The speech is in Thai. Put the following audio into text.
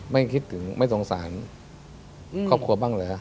ไม่คิดถึงไม่สงสารครอบครัวบ้างเหรอ